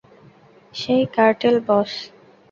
সেই কার্টেল বস?